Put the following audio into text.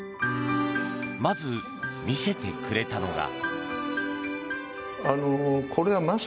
まず、見せてくれたのが。